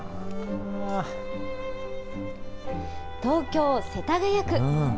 東京・世田谷区。